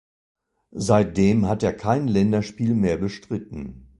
Seitdem hat er kein Länderspiel mehr bestritten.